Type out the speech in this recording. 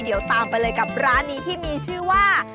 เดี๋ยวตามไปเลยกับร้านนี้ที่มีชื่อว่า